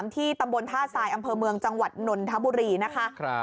ที่ตำบลท่าทรายอำเภอเมืองจังหวัดนนทบุรีนะคะ